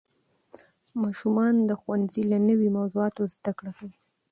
ماشومان د ښوونځي له نوې موضوعاتو زده کړه کوي